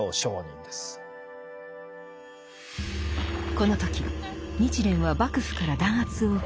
この時日蓮は幕府から弾圧を受け